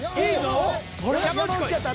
いいぞ。